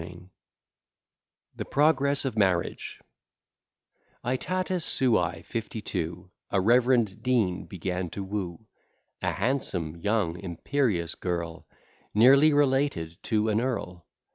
B._] THE PROGRESS OF MARRIAGE AETATIS SUAE fifty two, A reverend Dean began to woo A handsome, young, imperious girl, Nearly related to an earl.